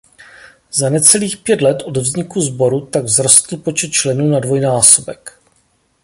Za necelých pět let od vzniku sboru tak vzrostl počet členů na dvojnásobek.